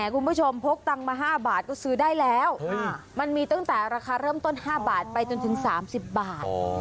คุณผู้ชมพกตังค์มา๕บาทก็ซื้อได้แล้วมันมีตั้งแต่ราคาเริ่มต้น๕บาทไปจนถึง๓๐บาท